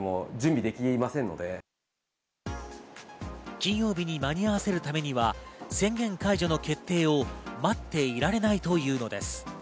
金曜日に間に合わせるためには宣言解除の決定を待っていられないというのです。